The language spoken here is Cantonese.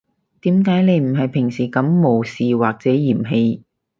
點解你唔係平時噉無視或者嫌棄